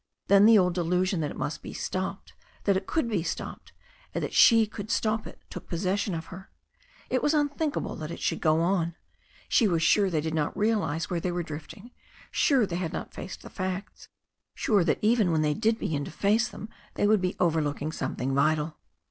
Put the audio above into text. Then the old delusion that it must be stopped, that it could be stopped, and that she could stop it took possession of her. It was unthinkable that it should go on. She was sure they did not realize where they were drifting, sure they had not faced the facts, sure that even when they did begin to face them they would overlook something vital.